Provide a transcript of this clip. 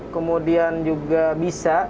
kemudian juga bisa